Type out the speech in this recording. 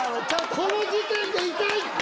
この時点で痛いって！